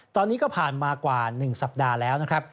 ตอนนี้ก็ผ่านมากว่า๑สัปดาห์แล้วนะครับ